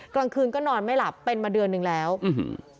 กลางคืนก็นอนไม่หลับเป็นมาเดือนหนึ่งแล้วอื้อหือ